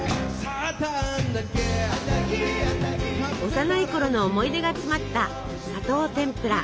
幼いころの思い出が詰まった「砂糖てんぷら」。